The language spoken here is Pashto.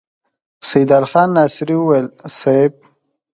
سيدال خان ناصري وويل: صېب!